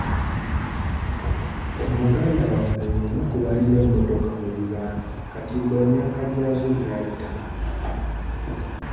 Muganda wange y'omu ku baalina emmotoka mu bibanda kati mbu emyaka gyazo gyayitako.